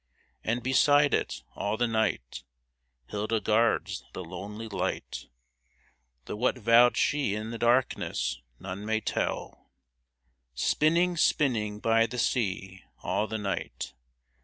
And beside it, all the night, Hilda guards the lonely light, Though what vowed she in the darkness. None may tell ! Spinning, spinning by the sea, All the night